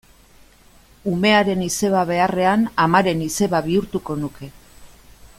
Umearen izeba beharrean, amaren izeba bihurtuko nuke.